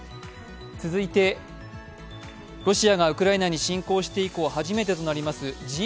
続いて、ロシアがウクライナに侵攻して以降初めてとなります